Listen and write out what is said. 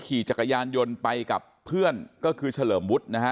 ขี่จักรยานยนต์ไปกับเพื่อนก็คือเฉลิมวุฒินะฮะ